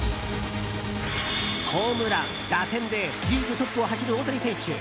ホームラン、打点でリーグトップを走る大谷選手。